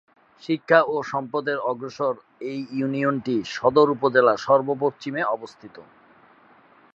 শিক্ষা ও সম্পদে অগ্রসর এই ইউনিয়নটি সদর উপজেলার সর্ব পশ্চিমে অবস্থিত।